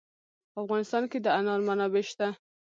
په افغانستان کې د انار منابع شته.